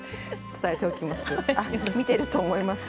伝えておきます。